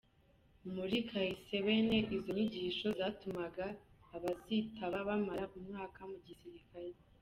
Muri kahise bene izo nyigisho zatumaga abazitaba bamara umwaka mu gisirikar.